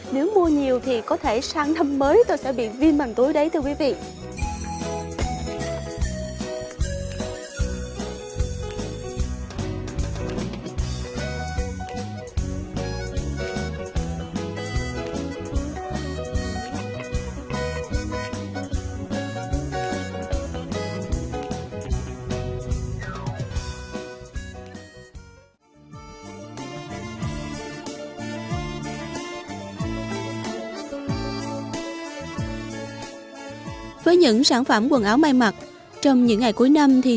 nếu mua nhiều thì có thể sang năm mới tôi sẽ bị viên bằng tối đấy thưa quý vị